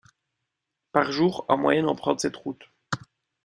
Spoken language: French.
Par jour, en moyenne, empruntent cette autoroute.